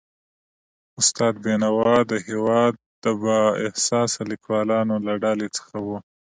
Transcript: استاد بینوا د هيواد د با احساسه لیکوالانو له ډلې څخه و.